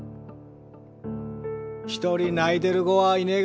一人泣いてる子はいねが。